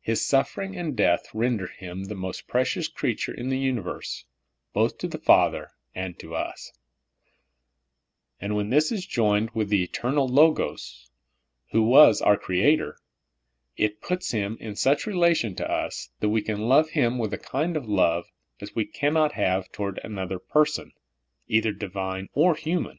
His suffering and death render Him the most precious creature in the universe, both to Father and to us ; and when this is joined w4th the eternal Logos, who was our Creator, it puts Him in such relation to us that we can love Him with a kind of love as we cannot have toward another person, either divine or human.